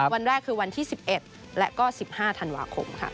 วันแรกคือวันที่๑๑และก็๑๕ธันวาคมค่ะ